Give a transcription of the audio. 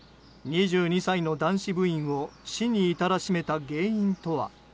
２２歳の男子部員を死に至らしめた原因とは。